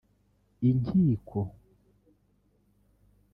inkiko